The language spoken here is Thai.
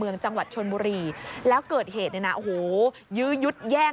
ข้างล่างไม่จอดทุกหัวกระจกกับทุกแปลก